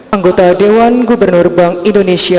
anggota dewan gubernur bank indonesia